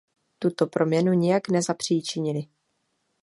Tuto proměnu nijak nezapříčinili.